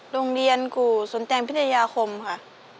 โรงเรียนกู่สนแตงพิทยาคมค่ะ